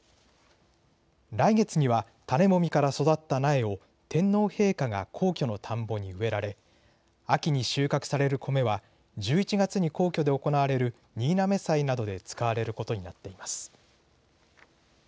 来月には種もみから育った苗を天皇陛下が皇居の田んぼに植えられ秋に収穫される米は１１月に皇居で行われる新嘗祭などで使われることになっています。